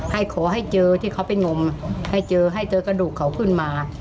ขอให้เจอที่เขาไปงมให้เจอให้เจอกระดูกเขาขึ้นมา